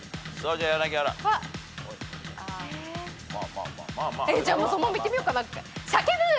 じゃあそのまんまいってみようかな。